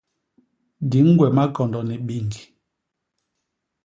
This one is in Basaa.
Di ñgwe makondo ni biñg.